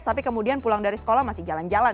tapi kemudian pulang dari sekolah masih jalan jalan